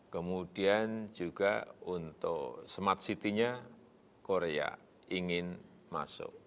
kemudian juga untuk smart city nya korea ingin masuk